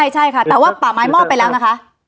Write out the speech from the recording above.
ใช่ค่ะแต่ว่าป่าไม้มอบไปแล้วนะคะ